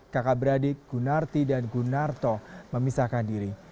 kakak beradik gunarti dan gunarto memisahkan diri